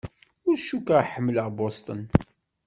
Ur cukkeɣ ḥemmleɣ Boston.